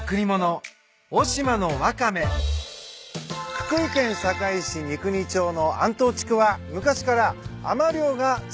福井県坂井市三国町の安島地区は昔から海女漁が伝わる地域です。